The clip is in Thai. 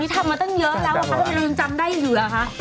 ทำไมล้วนจำได้อยู่แล้วคะ